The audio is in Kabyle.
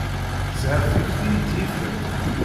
Sɛiɣ tikti i tt-yifen.